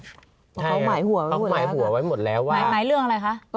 เพราะเขาหมายหัวเขาหมายหัวไว้หมดแล้วว่าหมายเรื่องอะไรคะ